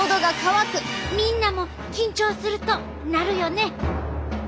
みんなも緊張するとなるよね。